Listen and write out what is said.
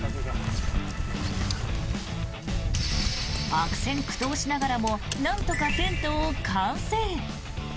悪戦苦闘しながらもなんとか、テントを完成。